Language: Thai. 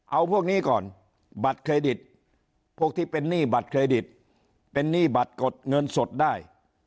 เอาพวกนี้ก่อนบัตรเครดิตพวกที่เป็นหนี้บัตรเครดิตเป็นหนี้บัตรกดเงินสดได้